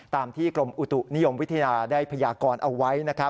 ตามที่กรมอุตุนิยมวิทยาได้พยากรเอาไว้